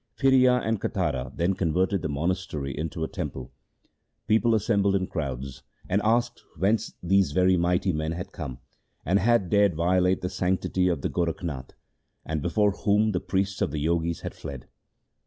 Phiria and Katara then converted the monastery into a temple. People assembled in crowds, and asked whence these very mighty men had come, who had dared violate the sanc tuary of Gorakhnath, and before whom the priests of the Jogis had fled.